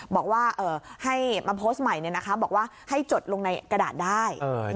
บอกว่าให้มาโพสต์ใหม่บอกว่าให้จดลงในกระดาษได้